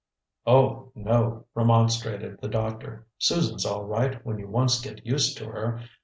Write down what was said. "Oh, no," remonstrated the doctor. "Susan's all right, when you once get used to her.